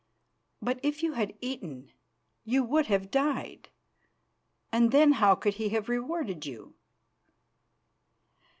But if you had eaten you would have died, and then how could he have rewarded you?"